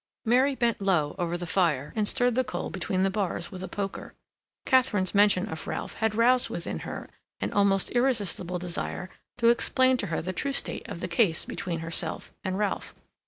Mary bent low over the fire and stirred the coal between the bars with a poker. Katharine's mention of Ralph had roused within her an almost irresistible desire to explain to her the true state of the case between herself and Ralph.